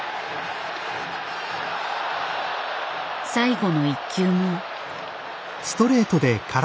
最後の１球も。